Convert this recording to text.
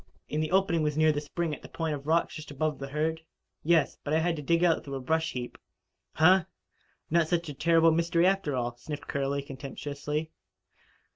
"And the opening was near the spring at the point of rocks just above the herd?" "Yes. But I had to dig out through a brush heap." "Huh! Not such a terrible mystery, after all," sniffed Curley contemptuously.